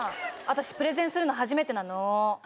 私プレゼンするの初めてなの。